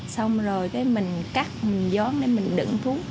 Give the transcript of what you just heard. xong rồi cái mình cắt mình dón để mình đựng thuốc